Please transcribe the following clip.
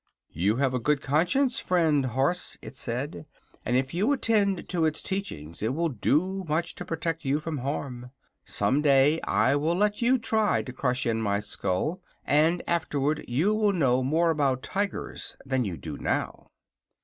"You have a good conscience, friend Horse," it said, "and if you attend to its teachings it will do much to protect you from harm. Some day I will let you try to crush in my skull, and afterward you will know more about tigers than you do now."